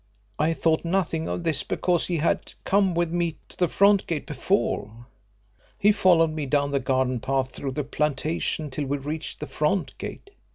I thought nothing of this because he had come with me to the front gate before. He followed me down the garden path through the plantation till we reached the front gate.